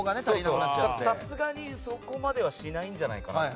さすがにそこまではしないんじゃないかなって。